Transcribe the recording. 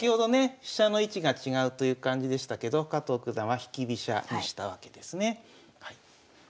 飛車の位置が違うという感じでしたけど加藤九段は引き飛車にしたわけですね。